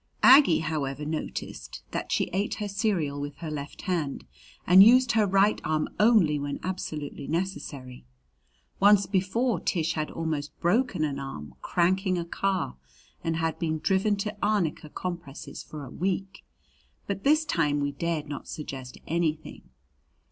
Aggie, however, noticed that she ate her cereal with her left hand and used her right arm only when absolutely necessary. Once before Tish had almost broken an arm cranking a car and had been driven to arnica compresses for a week; but this time we dared not suggest anything.